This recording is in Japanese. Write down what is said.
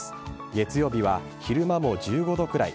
月曜日は昼間も１５度くらい。